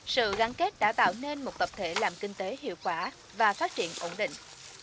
sự gắn kết đã tạo nên một tập thể làm kinh tế hiệu quả và phát triển ổn định